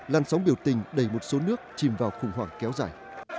lan sóng biểu tình đầy một số nước chìm vào khủng hoảng kéo dài